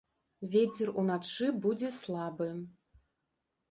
Вецер уначы будзе слабы.